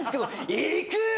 行くよ‼